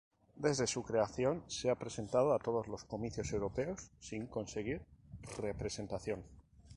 Desde su creación se ha presentado a todos los comicios europeos, sin conseguir representación.